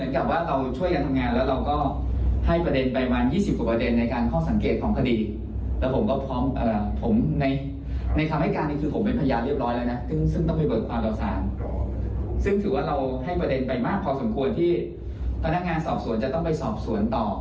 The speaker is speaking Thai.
ควรที่พนักงานสอบสวนจะต้องไปสอบสวนต่อ